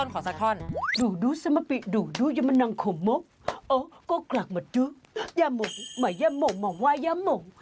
ขอสักท่อน